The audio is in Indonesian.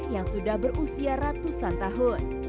yang sudah berusia ratusan tahun